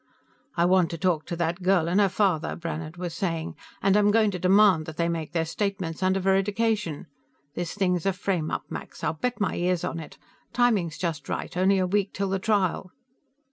"I want to talk to that girl and her father," Brannhard was saying. "And I'm going to demand that they make their statements under veridication. This thing's a frameup, Max; I'd bet my ears on it. Timing's just right; only a week till the trial."